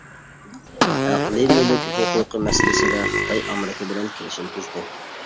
ئەقلىي مۈلۈك ھوقۇقى مەسىلىسىدە، خىتاي ئامېرىكا بىلەن كېلىشىم تۈزدى.